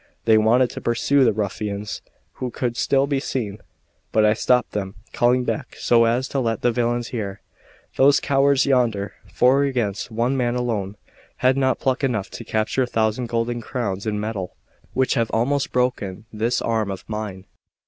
They wanted to pursue the ruffians, who could still be seen; but I stopped them, calling back so as to let the villains hear: "Those cowards yonder, four against one man alone, had not pluck enough to capture a thousand golden crowns in metal, which have almost broken this arm of mine.